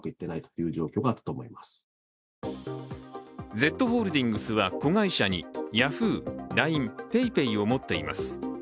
Ｚホールディングスは、子会社にヤフー、ＬＩＮＥ、ＰａｙＰａｙを持っています。